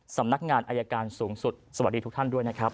สำนักงานอายการสูงสุดสวัสดีทุกท่านด้วยนะครับ